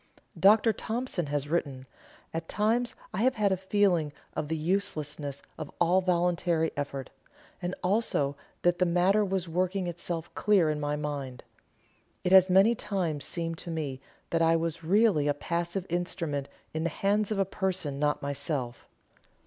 Dr. Thompson has written: "At times I have had a feeling of the uselessness of all voluntary effort, and also that the matter was working itself clear in my mind. It has many times seemed to me that I was really a passive instrument in the hands of a person not myself.